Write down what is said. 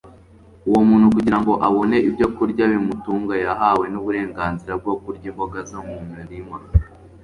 uwo muntu kugira ngo abone ibyokurya bimutunga yahawe n'uburenganzira bwo kurya imboga zo mu murima